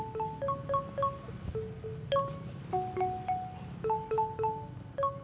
kalau kamu yakin kenapa harus sedih